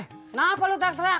kenapa lu trak trak